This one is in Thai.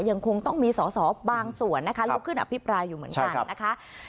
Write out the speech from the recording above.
ยังคงต้องมีสอสอบางส่วนนะคะลุกขึ้นอภิปรายอยู่เหมือนกันนะคะ